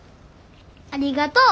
ありがとう！